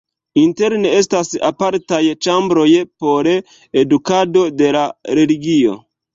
Interne estas apartaj ĉambroj por edukado de la religio.